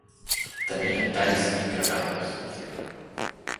Tenien talls i cremades, afirma.